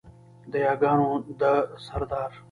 د یاګانو ده سرداره